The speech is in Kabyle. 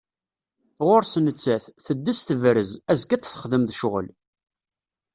Ɣur-s nettat, teddez tebrez, azekka ad t-texdem d ccɣel.